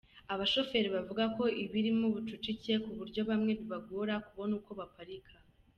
Abashoferi bavuga ko iba irimo ubucucike ku buryo bamwe bibagora kubona uko baparika.